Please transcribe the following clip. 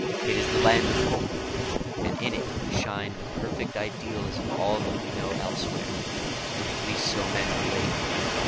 It is the Land of Hope, and in it shine the perfect ideals of all that, we know elsewhere; or at least so men relate.